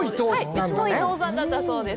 別の伊藤さんだったそうです。